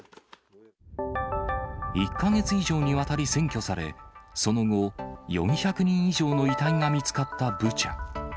１か月以上にわたり占拠され、その後、４００人以上の遺体が見つかったブチャ。